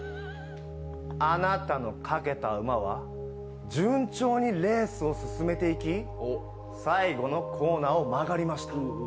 あなたの賭けた馬は順調にレースを進めていき最後のコーナーを曲がりました。